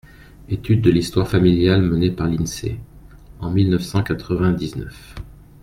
Étude de l’histoire familiale menée par l’INSEE en mille neuf cent quatre-vingt-dix-neuf.